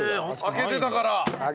開けてたから。